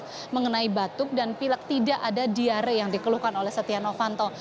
setia novanto mengatakan bahwa setia novanto tidak ada diare yang dikeluhkan oleh setia novanto